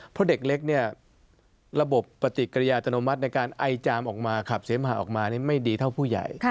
เพราะเด็กเล็กเนี่ยระบบปฏิกิริยาตโนมัติในการไอจามออกมาขับเสมหะออกมาไม่ดีเท่าผู้ใหญ่